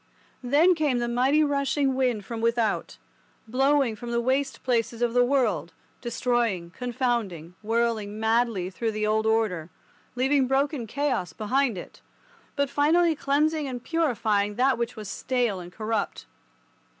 Then came the mighty rushing wind from without, blowing from the waste places of the world, destroying, confounding, whirling madly through the old order, leaving broken chaos behind it, but finally cleansing and purifying that which was stale and corrupt.